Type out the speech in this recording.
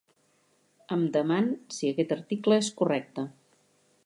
Em deman si aquest article és correcte.